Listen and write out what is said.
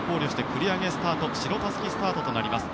繰り上げスタート白たすきスタートとなります。